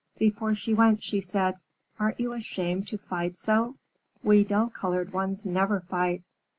Before she went, she said, "Aren't you ashamed to fight so? We dull colored ones never fight."